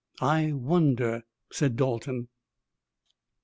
"I wonder," said Dalton.